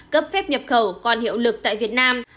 cấp phép nhập khẩu còn hiệu lực tại việt nam